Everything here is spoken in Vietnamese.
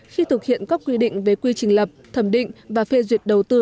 khi thực hiện các quy định về quy trình lập thẩm định và phê duyệt đầu tư